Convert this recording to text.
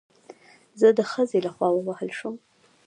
زه د خځې له خوا ووهل شوم